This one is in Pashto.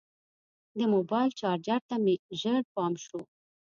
د موبایل چارجر ته مې ژر پام شو.